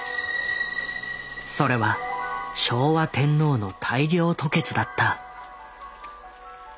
それは昭和天皇の大量吐血だった。